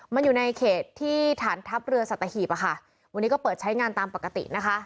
มันอยู่ในเขตที่ฐานทัพเรือสัตหีบอะค่ะวันนี้ก็เปิดใช้งานตามปกตินะคะ